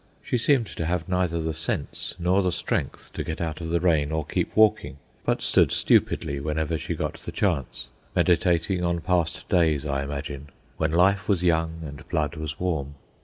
She seemed to have neither the sense nor the strength to get out of the rain or keep walking, but stood stupidly, whenever she got the chance, meditating on past days, I imagine, when life was young and blood was warm.